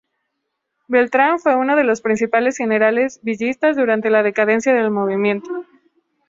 Beltrán fue uno de los principales generales villistas durante la decadencia del movimiento.